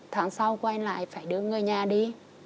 tháng sau quay lại phải đưa người nhà đi